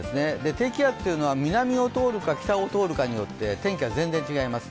低気圧というのは南を通るか北を通るかによって天気が全然違います。